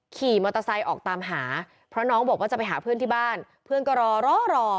ขี่มอเตอร์ไซค์ออกตามหาเพราะน้องบอกว่าจะไปหาเพื่อนที่บ้านเพื่อนก็รอรอ